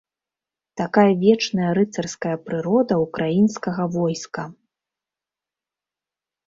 Такая вечная рыцарская прырода ўкраінскага войска.